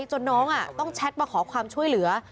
จนน้องต้องแชทมาขอความช่วยเหลือ